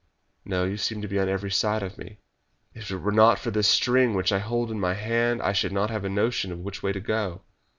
"No; you seem to be on every side of me." "If it were not for this string which I hold in my hand I should not have a notion which way to go."